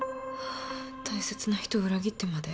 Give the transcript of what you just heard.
大切な人を裏切ってまで？